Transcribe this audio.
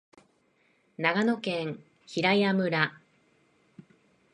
長野県平谷村